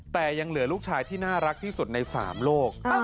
แต่ยังเหลือลูกชายที่น่ารักที่สุดใน๓โลก